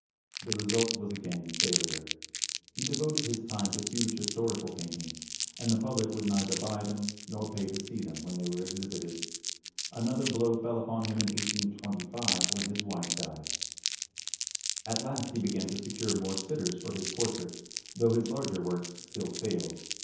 The result was again failure. He devoted his time to huge historical paintings, and the public would neither buy them nor pay to see them when they were exhibited. Another blow fell upon him in 1825 when his wife died. At last he began to secure more sitters for his portraits, though his larger works still failed.